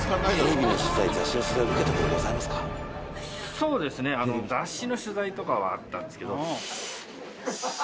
そうですね。とかはあったんですけど。